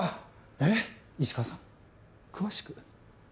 えっ⁉石川さん詳しく。